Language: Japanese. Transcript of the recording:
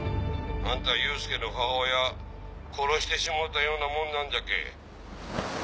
あんたは祐介の母親殺してしもうたようなもんなんじゃけぇ。